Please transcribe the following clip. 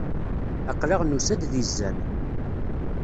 Aql-aɣ nusa-d di zzan.